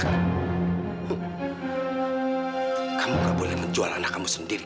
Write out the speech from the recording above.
kamu tidak boleh membuang angin kamu sendiri